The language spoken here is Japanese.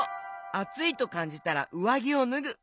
あついとかんじたらうわぎをぬぐ。